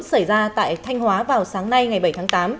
xảy ra tại thanh hóa vào sáng nay ngày bảy tháng tám